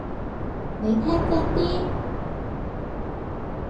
你聽真啲！